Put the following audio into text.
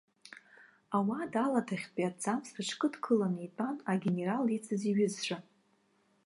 Ауада аладахьтәи аҭӡамц рыҽкыдкыланы итәан агенерал ицыз иҩызцәа.